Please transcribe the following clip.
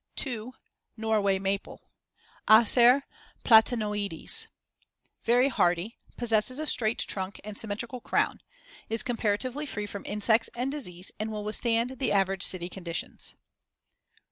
2. Norway maple (Acer platanoides) Very hardy; possesses a straight trunk and symmetrical crown; is comparatively free from insects and disease and will withstand the average city conditions.